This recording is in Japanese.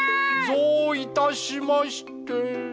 ぞういたしまして。